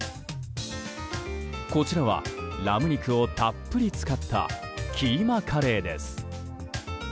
こちらはラム肉をたっぷり使ったキーマカレーです。